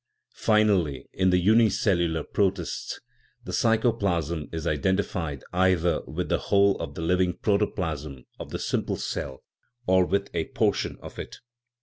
Finally, in the unicellular protists, the psychoplasm is identified either with the whole of the living protoplasm of the simple cell or with a por tion of it.